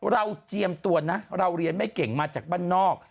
เจียมตัวนะเราเรียนไม่เก่งมาจากบ้านนอก